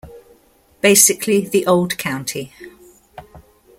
Basically the old county.